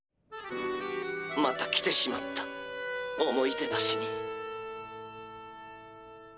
「また来てしまったおもいでばしに」。